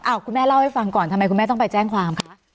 คุณแม่เล่าให้ฟังก่อนทำไมคุณแม่ต้องไปแจ้งความคะ